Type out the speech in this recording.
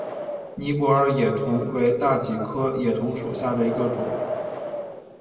尼泊尔野桐为大戟科野桐属下的一个种。